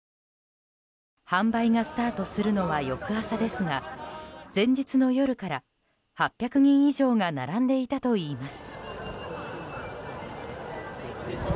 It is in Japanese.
販売がスタートするのは翌朝ですが前日の夜から８００人以上が並んでいたといいます。